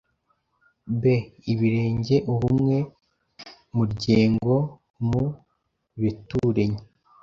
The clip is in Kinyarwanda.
b) Ibirenge ubumwe mu muryengo, mu beturenyi